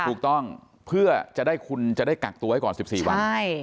ถูกต้องเพื่อจะได้คุณจะได้กักตัวไว้ก่อน๑๔วัน